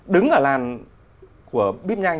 đứng ở làn của bíp nhanh